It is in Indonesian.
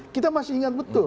kita masih ingat betul